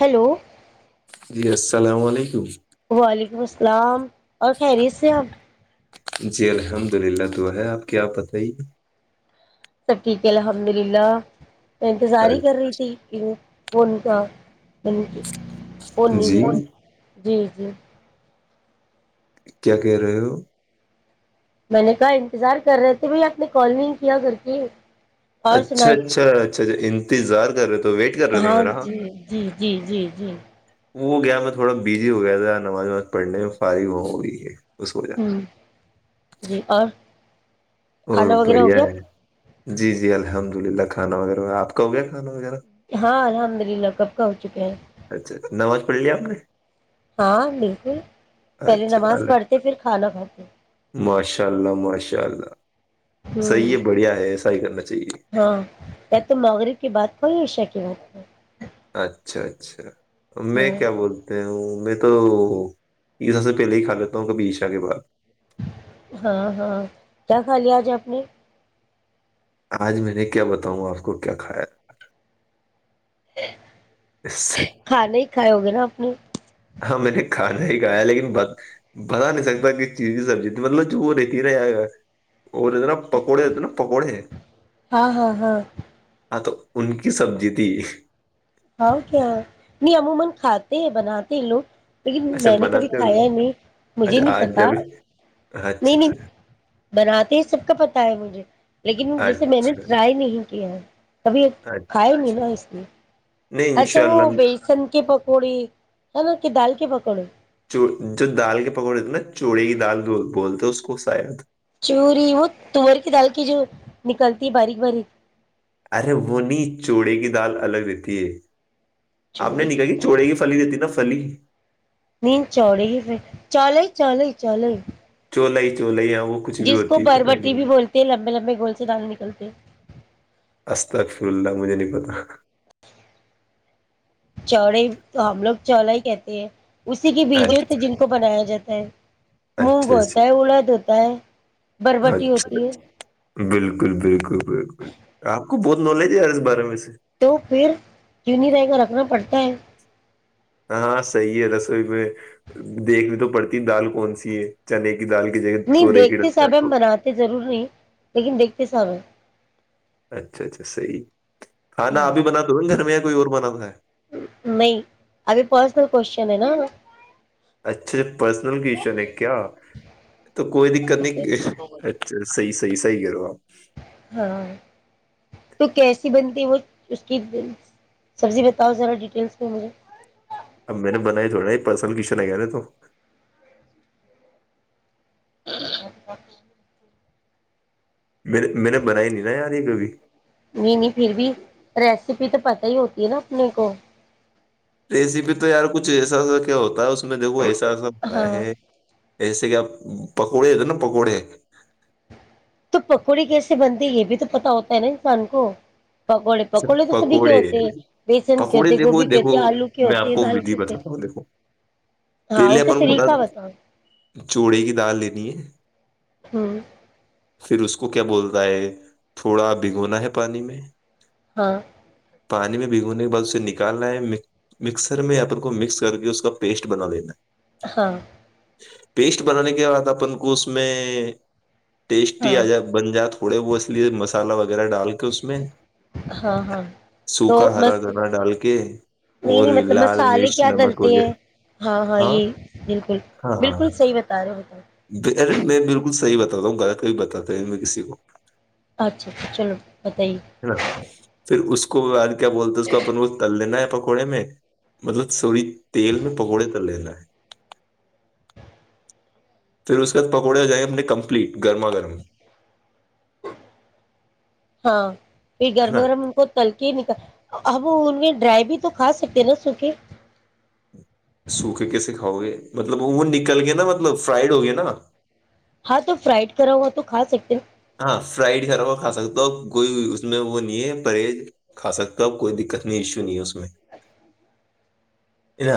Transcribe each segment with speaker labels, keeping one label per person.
Speaker 1: Hello
Speaker 2: جی السلام علیکم
Speaker 1: وعلیکم السلام اور خیریت سے آب
Speaker 2: جی الحمد للہ تو ہے آپ کیا پتہ ہی؟
Speaker 1: سب ٹھیک ہے الحمد للہ انتظار ہی کر رہی تھی فون کا
Speaker 2: جی اور
Speaker 1: [unintelligible] جی جی
Speaker 2: کیا کہہ رہے ہو؟
Speaker 1: میں نے کہا انتظار کر رہے تھے بھائی آپ نے کال نہیں کیا گھر کے اور سنا
Speaker 2: اچھا اچھا اچھا اچھا انتظار کر رہے تو ویٹ کر رہے تھ میرا ہاں
Speaker 1: جی جی جی جی جی
Speaker 2: وہ گیا میں تھوڑا بزی ہو گیا تھا نماز نماز پڑھنے میں فارغ ہو گئی ہے اس وجہ
Speaker 1: ہوں جی اور
Speaker 2: اور
Speaker 1: کھانا وغیرہ ہو
Speaker 2: بڑھیا
Speaker 1: گیا آپ
Speaker 2: ہے
Speaker 1: کا
Speaker 2: جی جی الحمد للہ کھانا وغیرہ آپ کا ہو گیا کھانا نا وغیرہ
Speaker 1: ہاں الحمد للہ کب کا ہو چکے ہیں
Speaker 2: اچھا نماز پڑلی آپ نے
Speaker 1: ہاں بالکل پہلے
Speaker 2: اچھا
Speaker 1: نماز
Speaker 2: اللہ
Speaker 1: پڑھتے پھر کھانا کھاتے
Speaker 2: ماشاء اللہ ماشاء اللہ
Speaker 1: ہ
Speaker 2: صحیح ہے بڑھیا ہے ایسا ہی کرنا چاہیے
Speaker 1: ہاں تو مغرب کی بات وہی ایشا کے بعد میں
Speaker 2: اچھا اچھا میں
Speaker 1: ہاں
Speaker 2: کیا بولتے ہوں میں تو عسا سے پہلے ہی کھا لیتا ہوں کبھی عشا کے بعد
Speaker 1: ہاں ہاں کیا کھا لیا آج آپ نے
Speaker 2: آج میں نے کیا بتاؤں آپ کو کیا کھایا؟
Speaker 1: [inaudible]
Speaker 2: اس سے
Speaker 1: کھانا ہی کھائے ہوگےا اپ نے
Speaker 2: صی گا ہے لیکن ب بتا نہیں سکتا کہ چیز سبی مطلب جو رہتی رہ گا اور نا پکوڑے ہوتے نا پکوڑے
Speaker 1: ہاں ہاں ہاں
Speaker 2: ہاں تو ان کی سبزی تھی
Speaker 1: [inaudible] لیکن
Speaker 2: اچھا
Speaker 1: میں نے کبھی
Speaker 2: بناتے ہو
Speaker 1: کھایا
Speaker 2: گیا
Speaker 1: نہیں مجھے
Speaker 2: اچھا
Speaker 1: نہیں
Speaker 2: آج
Speaker 1: پتا
Speaker 2: جب اچھا
Speaker 1: نہیں نہیں
Speaker 2: اچھا
Speaker 1: بناتے ہی سب کا پتا ہے مجھے لیکن
Speaker 2: اچھا
Speaker 1: جیسے میں نے ٹرائی نہیں کیا ہے کبھی
Speaker 2: اچھا
Speaker 1: کھایا نہیں نا اس نے
Speaker 2: نہیں ان
Speaker 1: اچھا
Speaker 2: شاء
Speaker 1: وہ
Speaker 2: اللہ
Speaker 1: بیسن کے پکوڑی ہے نا کہ دال کے پکوڑو
Speaker 2: جو دال کے پکوڑے تھے نا چوڑے کی دال بولتے اس کو سا تھا
Speaker 1: چوری وہ تور کی دال کی جو نکلتی ہے باریک باریک
Speaker 2: ارے وہ نہیں چوڑے کی دال الگ دیتی ہے آپ نے نکاح کی چوڑے گی فلی دیتی نا کلی
Speaker 1: ند چوڑی پھر چلئی چلے چلئی
Speaker 2: چوول ہی چوول ہی آؤ
Speaker 1: جس کو بربٹی بھی بولتے ہیں لمبے لمبے گول سے دان نکلتے
Speaker 2: استغفر اللہ مجھے [inaudible]
Speaker 1: چلا ہی کہتی ہے اسی کے بیج
Speaker 2: کچھ
Speaker 1: ہوتے جن کو بنایا جاتا ہ موگ
Speaker 2: اچھا
Speaker 1: ہوتا ہے
Speaker 2: اچھا
Speaker 1: الد ہوتا ہے بربٹی
Speaker 2: اچھا
Speaker 1: ہوتی ہے
Speaker 2: بالکل بالکل بالکل آپ کو بہت نالج ہےیار اس بارے سے
Speaker 1: تو پھر کیوں نہیں رہے کر رکھنا پڑھتے ہیں
Speaker 2: ہاں صحیح ہے رسوئی میں دیکھنی تو پڑتی دال کون سی ہے چنے کی دال کی جگہ
Speaker 1: نہیں
Speaker 2: تورے کی ڈال
Speaker 1: دیکھتے
Speaker 2: دال
Speaker 1: صاحب ہم
Speaker 2: کو
Speaker 1: بناتے ضرور نہیں لیکن دیکھتے حسابیں
Speaker 2: اچھا اچھا صحیح کھانا
Speaker 1: ہے
Speaker 2: آبھی بناے ہو گھر میں یا کوئی اور بناتا ہے
Speaker 1: کوشن ہے نا
Speaker 2: اچھے پرسنل کیش ن کیا تو کوئی دقت نہیں اچھا صحیح س سیح کر رہوا
Speaker 1: ہاں تو کیسی بنتی وہ اس کی سبزی بتاؤ ذرا ڈیٹیلس میں مجھے
Speaker 2: اب میں نے بنائی تھوڑی نہیں پرسنل کشن ہے کیا نے تو
Speaker 1: [inaudible]
Speaker 2: م میں نے بنائی نہیں نا یار یہ کبھی
Speaker 1: نہیں نہیں پھر بھی ریسیپی تو پت ہی ہوتی ہے نا اپنے کو
Speaker 2: رسیپی تو یار کچھ ایسا ایسا کیا ہوتا ہے اس میں دیکھو ایسا سا ہو
Speaker 1: ہاں
Speaker 2: ہے ایسے کہ آپ پکوڑے تھ نا پکوڑے
Speaker 1: پکوڑی کیسے بنتی یہ بھی تو پتا ہوتا ہے نا انسان کو پکوڑے پکوڑے تو سبھی کے ہوتے ہیں بیسن کے
Speaker 2: پکوڑے
Speaker 1: ہوتے
Speaker 2: دیکھو
Speaker 1: گوبھی کے
Speaker 2: دیکھو
Speaker 1: ہوتے آلو کے
Speaker 2: میں آپ
Speaker 1: ہوتے
Speaker 2: کو
Speaker 1: دال کے
Speaker 2: ودھی
Speaker 1: ہوتے
Speaker 2: بتاتا ہوں دیکھو
Speaker 1: ہاں
Speaker 2: پہلے
Speaker 1: اس کے
Speaker 2: اپن کو نا
Speaker 1: طریقہ بتا
Speaker 2: چوڑے کی دال لینی ہے
Speaker 1: ہاں
Speaker 2: پھر اس کو کیا بولتا ہے تھوڑا بھگونا ہے پانی میں
Speaker 1: ہاں
Speaker 2: پانی میں بھگونے کے بعد اسے نکالنا ہے مکسر میں اپپ کو مکس کر کے اس کا پیسٹ بنا لینا ہے
Speaker 1: ہاں
Speaker 2: پیسٹ بنانے کے بعد اپن کو اس میں ٹیسٹی آ
Speaker 1: ہاں
Speaker 2: ج بن جائے تھوڑے وہ اس لیے مسالہ وغیرہ ڈال کے اس میں
Speaker 1: ہاں ہاں تو
Speaker 2: سوکھا
Speaker 1: م
Speaker 2: ہرا دھنا ڈال کے
Speaker 1: نہیں
Speaker 2: اور
Speaker 1: نہیں مطلب
Speaker 2: لال
Speaker 1: مسالے
Speaker 2: مرچ
Speaker 1: کیا
Speaker 2: نمک
Speaker 1: ڈلتے
Speaker 2: وغیرہ
Speaker 1: ہیں ہاں ہاں یہ بالکل
Speaker 2: ہاں ہاں
Speaker 1: بالکل صحیح بتا رہے ہاں [unintelligible]
Speaker 2: ارے میں بالکل س وت تھا گ [unintelligible] بھی بتاتا ہے میں کسی کو
Speaker 1: اچھا اچھا چلو بتائیے
Speaker 2: پھر اس کو کو کیا بولتے اس کو اپپ کو تل لین ہے گھوڑے میں مطلب سور تل میں پکوڑے تل لینا ہے پھر اس کے بعد پکوڑے آ جائیں اپنے کمپلیٹ گرما گرم
Speaker 1: ہاں یہ
Speaker 2: ہے
Speaker 1: گرم
Speaker 2: نا
Speaker 1: گرم کول نہیںک اب ان میں ڈرائی بھی تو کھا سکتے نا سوکھے
Speaker 2: سوکھے کیسے کاؤ گے مطلب وہ نکل گئے نا مطلب فرائیڈ ہو گئے نا
Speaker 1: ہاں تو فرائیڈ کراؤا تو کا سکتے ہیں
Speaker 2: ہاں فرائڈ کرا ہوا کھا سکتا ہو کوئی اس میں وہ نہیں ہے پرہیز کا سکتا کوئی دقت نہیں ایشو نہیں ہے اس س [unintelligible] ن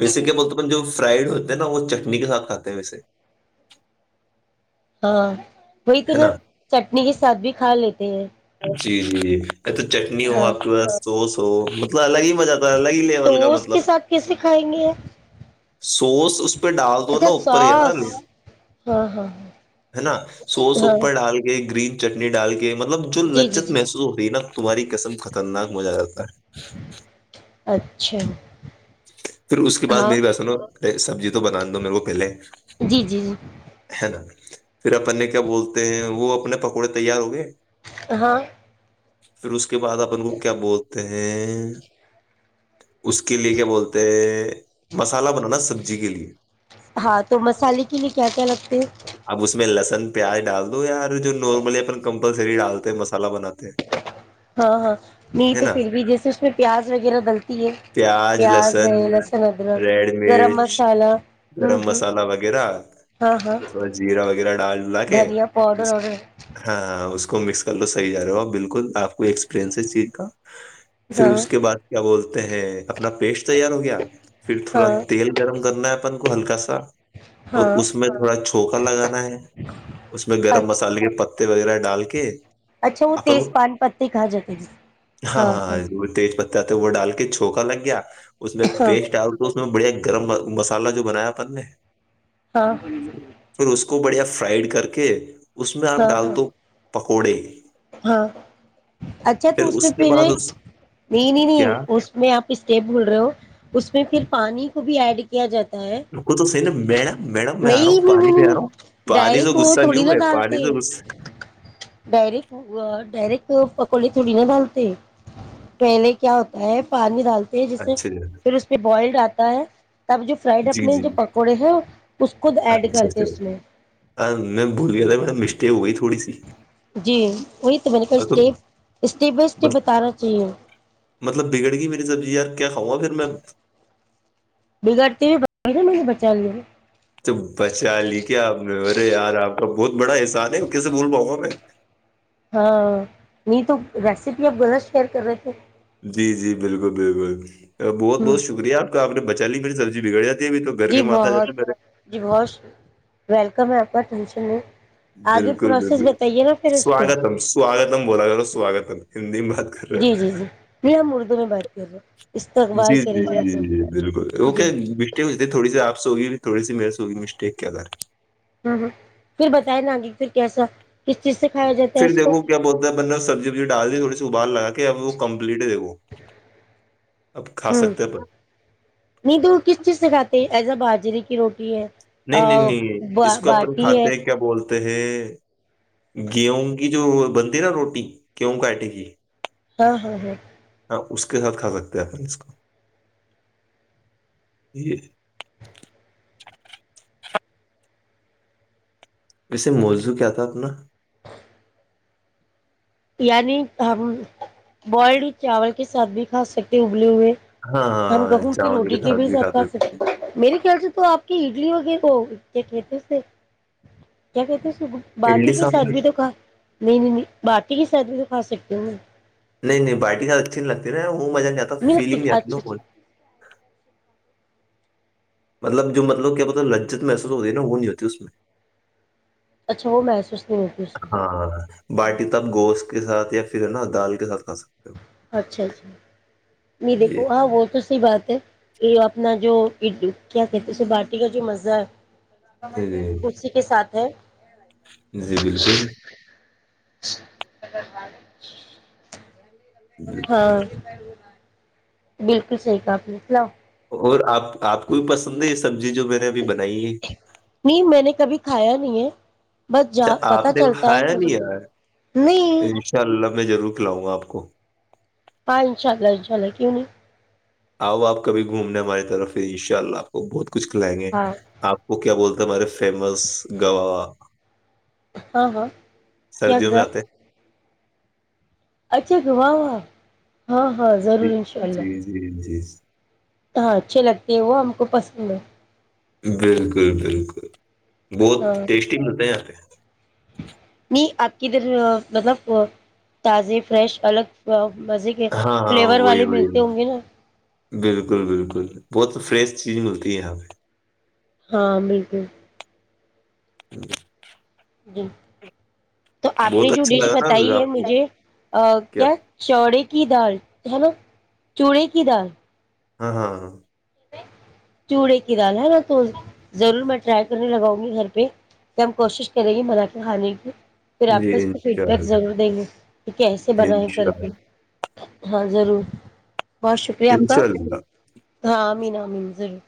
Speaker 2: ویسے کیا بولتے اپ جو فرائڈ ہوتے ہیں نا وہ چٹنی کے ساتھ کھاتے ہیں ویسے
Speaker 1: ہاں وہی
Speaker 2: ہے
Speaker 1: توھر
Speaker 2: نا
Speaker 1: چٹنی کے ساتھ بھی کھا لیتے ہیں
Speaker 2: جی جی ا تو چٹنی ہو
Speaker 1: ہاں
Speaker 2: آپ کے پاس سو سو مطلب الگ ہی جاتا ہے الگ ہی
Speaker 1: تو
Speaker 2: لیول کا
Speaker 1: اس
Speaker 2: مطلب
Speaker 1: کے ساتھ کیسے کھائیں گے
Speaker 2: سوس اس پہ ڈال دو
Speaker 1: اچھا
Speaker 2: نا اوپر یار
Speaker 1: سوس ہاں ہاں ہاں
Speaker 2: ہے نا سوس
Speaker 1: ہاں
Speaker 2: اوپر ڈال گ گرین چٹنی ڈال کے مطلب جو
Speaker 1: جی جی
Speaker 2: لچت
Speaker 1: جی
Speaker 2: محس ہو رہی نا تمہاری قسم خھ خطرناک مزہ کرتا ہے
Speaker 1: اچھا
Speaker 2: پھر اس کے بعد
Speaker 1: ہاں
Speaker 2: میری بسن ہو ارے سبزی تو بنا دو میرے کو پہلے
Speaker 1: جی جی جی
Speaker 2: ہے نا پھر اپ اپنے کیا بولتے ہیں وہ اپنے پکوڑے تیار ہو گئے
Speaker 1: ہاں
Speaker 2: روزار اس کے بعد اپن کو کیا بولتے ہیں تین اس کے لیے کیا بولتے ہیں مسالہ بنانا سبزی کے لیے
Speaker 1: ہاں تو مسالے کے لیے کیا کیا لگتے ہیں
Speaker 2: اب اس میں اللہ ن پیاز ڈال دو یار جو نارملی اپن کمپلسری ڈالتے مسالہ بناتے
Speaker 1: ہاں ہاں نہیں
Speaker 2: ہے
Speaker 1: تو
Speaker 2: نا
Speaker 1: پھر بھی جیسے اس میں پیاز وغیرہ ڈلتی ہے پیاز ہے لہسن
Speaker 2: ریڈ
Speaker 1: ادرک گرم
Speaker 2: مرچ
Speaker 1: مسالہ ہ
Speaker 2: گرم
Speaker 1: ہ
Speaker 2: مسالہ وغیرہ
Speaker 1: ہاں ہاں
Speaker 2: تھوڑا جیرا وغیرہ ڈال ڈلا کے
Speaker 1: دھنیا پاؤڈر اور
Speaker 2: ہاں اس کو کو مکس کرو صحی ج رہا ہو بالکل آپ کو ایکسپرینس اس چیز کا پھر
Speaker 1: ہاں
Speaker 2: اس کے بعد کیا بولتے ہیں اپنا پیسٹ تیار ہو گیا [inaudible] پھر تھوڑا
Speaker 1: ہاں
Speaker 2: تیل گرم کرنا ہے اپن ہلکا سا اور
Speaker 1: ہاں
Speaker 2: اس میں تھوڑا چھوکا لگانا ہے اس میں گرم
Speaker 1: اچھا
Speaker 2: مسالے کے پتے تے وغیرہ ڈال کے
Speaker 1: اچھا وہ
Speaker 2: اپن
Speaker 1: تیز
Speaker 2: کو،
Speaker 1: پان پتے کھا جاتے تسے ہاں ہاں
Speaker 2: تو وہ ڈال کے چھوکا لگ گیا اس میں
Speaker 1: ہاں
Speaker 2: پیسٹ آ تو اس میں بڑھیا گرم مسالہ جو بنایا پن نے
Speaker 1: ہاں
Speaker 2: پھر اس کو بڑھیا فرائڈ کر کے اس میں آپ
Speaker 1: ہاں
Speaker 2: ڈال
Speaker 1: ہاں
Speaker 2: دو پکوڑے
Speaker 1: ہاں اچھا تو
Speaker 2: پھر
Speaker 1: اس میں
Speaker 2: کے
Speaker 1: پہلے
Speaker 2: بعد اس
Speaker 1: نہیں نہیں نہیں
Speaker 2: کیا
Speaker 1: اس میں آپ اسٹیپ بھول رہے ہو اس میں پھر پانی کو بھی ایڈ کیا جاتا ہے
Speaker 2: ان کو تو صی نا مڈم میڈم میں آ رہا ہوں
Speaker 1: نہیں نہیں
Speaker 2: پانی
Speaker 1: نہیں
Speaker 2: پ آ رہا ہوں
Speaker 1: نہیں
Speaker 2: پانی سے
Speaker 1: ڈائریکٹ وہ
Speaker 2: غصہ
Speaker 1: تھوڑی
Speaker 2: نہیںیوں
Speaker 1: نا
Speaker 2: ہے پانی
Speaker 1: ڈالتے ہیں،
Speaker 2: سے
Speaker 1: ڈائریکٹ ڈائریکٹ پکوڑے تھوڑی نہ ڈالتے پہلے کیا ہوتا ہے پانی ڈالتے جسے
Speaker 2: اچھا
Speaker 1: پھر اس پہ بوائلڈ آتا ہے تب جو فرائڈ
Speaker 2: جی
Speaker 1: اپنے
Speaker 2: جی
Speaker 1: جو پکوڑے ہیں اس کو ایڈ
Speaker 2: اچھا
Speaker 1: کرتے اس میں
Speaker 2: اھا میں بول گیا تھا میرا مسٹیک ہو گئی تھوڑی سی
Speaker 1: جی وہی تو میں نے کو
Speaker 2: اب تو
Speaker 1: اسٹیپ اسٹیپ بائی اسٹپ
Speaker 2: مط-
Speaker 1: بتانا چاہیے
Speaker 2: مطلب بگڑ گئی میری سبزی یار کیا کھاؤں گا پھر میں
Speaker 1: بگاڑتی بھی ب مے بچا ل
Speaker 2: تو بچا لی کیا آپ نے ارے یار آپ کا بہت بڑا احسان ہے کیسے بھول پاؤں گا میں
Speaker 1: ہاں نہیں تو ریسیپی اب گہ شیئر کر رہے تھے
Speaker 2: جی جی بالکل بالکل بہت
Speaker 1: ہ
Speaker 2: بہت شکریہ آپ کا آپ نے بچ چ مجری سبی بگڑ گیا
Speaker 1: جی بہت جی بہت ویلکم ہے پر مس نے
Speaker 2: بالکل بالکل
Speaker 1: اس کو
Speaker 2: سواگتم سوگتم بولا کراو سواگتم انی
Speaker 1: جی جی جی میں ہم اردو میں بات کر رہے
Speaker 2: جی
Speaker 1: استقبال
Speaker 2: جی
Speaker 1: کریں گے
Speaker 2: جی
Speaker 1: تو
Speaker 2: جی بالکل وہ
Speaker 1: جی
Speaker 2: کیا مٹی تھوڑی سی آپ ہوگی تھوڑی سی میرے سے ہوگی مسٹیک کیا کر رہ
Speaker 1: ہ ہ پھر بتائے نگ پھر کیسا کس چیز سے کھایا جاتا ہے
Speaker 2: پھر
Speaker 1: اس کو
Speaker 2: دیکو کیا بولتا ہے نے سبزیبزی ڈال دی تھوڑی ابال لگا تھا وہ کمپلیٹ د
Speaker 1: ہ
Speaker 2: سکتے ہیں اپن
Speaker 1: نہیں تو کس چیز سے کھاتے ایز ا باجری کی روٹی ہے
Speaker 2: نہیں نہیں نہیں اس کو اپن
Speaker 1: باٹی ہے
Speaker 2: کھاتے ہیں کیا بولتے ہیں گیہوں کی جو بنتی ہے نا روٹی گیہوں کا آئٹے کی
Speaker 1: ہاں ہاں ہاں
Speaker 2: اس کے ساتھ کھا سکتے ہیں اپن اس کو یہ اسے موزو کیا تھا اپنا
Speaker 1: یعنی ہم بوائلڈ چاول کے ساتھ بھی کھا سکتے ہیں ابلے ہوئے
Speaker 2: ہاں
Speaker 1: ہم
Speaker 2: ہاں
Speaker 1: گیہوں کی
Speaker 2: چاول
Speaker 1: روٹی کے بھی
Speaker 2: ساتھ
Speaker 1: ح ساب
Speaker 2: کھا
Speaker 1: کھ
Speaker 2: ہیں
Speaker 1: سکتے میرے خیال سے تو آپ ا ویرہ کو کیا کہتے اس سے کیا کہتے باٹی
Speaker 2: اڈلی
Speaker 1: کے ساتھ
Speaker 2: سانبر
Speaker 1: بھی تو کھا نہیں نہیں نہیں ب کی سادی کو کا سکتی ہوں میں
Speaker 2: نہیں نہیں بائٹی کا اچھی نہیں لگتی رہا ہ مزہ نہیں آتا
Speaker 1: ملک
Speaker 2: فلگ
Speaker 1: اچھا
Speaker 2: نہیں جتی
Speaker 1: اچھا
Speaker 2: ن مطلب جو مطلب کیا بولتا لجت محسوس ہوتی ہے نا وہ نہیں ہوتی اس میں
Speaker 1: اچھا وہ محسوس نہیں ہوتی اس میں
Speaker 2: ہاں ہاں ہ باٹی تب گوشت کے ساتھ یا پھر ہے نا دال کے سھ کھا سکتے ہیں۔
Speaker 1: اچھا اچھا نہیں دیکھو
Speaker 2: جی
Speaker 1: ہاں وہ تو صحیح بات یہ اپنا جو کیا کہتے ہیں اسے باٹی کا جو مزہ ہے
Speaker 2: جی
Speaker 1: اسی کے ساتھ ہےاں
Speaker 2: جی بالکل
Speaker 1: تر ب
Speaker 2: بالکل
Speaker 1: ہاں بالکل صحیح کہپ نے سناؤ
Speaker 2: اور آپ آپ کو بھی پسند ہے یہ سبزی جو میں نے ابھی بنائی ہے
Speaker 1: نہیں میں نے کبھی کھایا نہیں ہے بس ج
Speaker 2: اچھا
Speaker 1: پتا
Speaker 2: آپ نے
Speaker 1: چلتا ہے
Speaker 2: کھایا
Speaker 1: مجھے
Speaker 2: نہیں یار
Speaker 1: نہیں
Speaker 2: انشاء اللہ میں ضرور کھلاؤں گا آپ کو
Speaker 1: پاں ان چا ال چ ال کیوں نہیں
Speaker 2: آؤ آپ کب گھومنے ہماری طرف ہی ان شاء اللہ آپ کو بہت کچھ کھلائیں گے
Speaker 1: ہاں
Speaker 2: آپ کو کیا بولتے ہمار فیمس گاہ
Speaker 1: ہاں ہاں کیا گ
Speaker 2: سردیوں میں آتے ہیں
Speaker 1: اچاک واہ واہ ہاں ہاں ضرور
Speaker 2: جی
Speaker 1: ان شاء اللہ
Speaker 2: جی [unintelligible]
Speaker 1: ہاں اچھے لگتے ہیں وہ ہم کو پسند ہے
Speaker 2: بالکل بالکل بہت
Speaker 1: ہاں
Speaker 2: ٹیسٹی ملتے ہیں یہاں پہ
Speaker 1: نہیں آپ کی ادھر مطلب تازے فریش الگ مزے کے
Speaker 2: ہاں ہاں
Speaker 1: فلیور
Speaker 2: وہی
Speaker 1: والے
Speaker 2: وہی
Speaker 1: ملتے ہوں گی نا
Speaker 2: بالکل بالکل بہت فریش چیز ملتی ہے یہاں پہ
Speaker 1: ہاں بالکل
Speaker 2: ہ
Speaker 1: جی تو آپ نے
Speaker 2: بہت
Speaker 1: جو
Speaker 2: اچھا
Speaker 1: ڈش
Speaker 2: لگا
Speaker 1: بتائی
Speaker 2: نا
Speaker 1: ہے
Speaker 2: آپ کو
Speaker 1: مجھے کیا چوڑی کی دال جلو چورے کی دال
Speaker 2: ہاں ہاں ہاں
Speaker 1: چوڑے کی دال ہے نا تو ضرور میں ٹرائی کرنے لگاؤں گی گھر پہ کہ ہم کوشش کریں گے منا کے کھانے کی پھر آپ
Speaker 2: جی
Speaker 1: کو اس کو فیڈ بیک
Speaker 2: انشاءاللہ
Speaker 1: ضرور دیں گے کہ کیسے بنا ہے کر کے
Speaker 2: انشاءاللہ
Speaker 1: ہاں ضرور بہت شکریہ آپ کا
Speaker 2: انشاءاللہ
Speaker 1: نام نامضر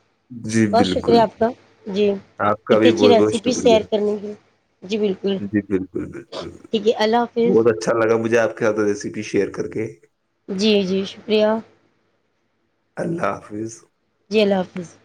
Speaker 2: جی
Speaker 1: بہت شکریہ
Speaker 2: بالکل
Speaker 1: آپ کا جی
Speaker 2: آپ کا
Speaker 1: اتنی
Speaker 2: بھی
Speaker 1: اچھی
Speaker 2: بہت بہت
Speaker 1: ریسیپی
Speaker 2: شکریہ
Speaker 1: سئر کرنی کی جی بالکل
Speaker 2: جی بالکل بالکل
Speaker 1: ٹھیک ہے اللہ حافظ
Speaker 2: آکھ تو ریسیپی شیئر کر کے
Speaker 1: جی جی شکریہ
Speaker 2: اللہ حافظ
Speaker 1: جی اللہ حافظ